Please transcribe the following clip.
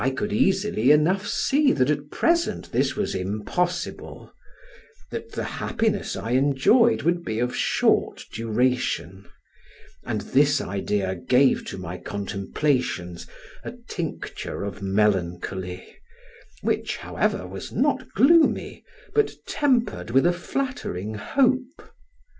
I could easily enough see that at present this was impossible; that the happiness I enjoyed would be of short duration, and this idea gave to my contemplations a tincture of melancholy, which, however, was not gloomy, but tempered with a flattering hope.